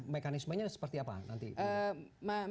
mekanismenya seperti apa nanti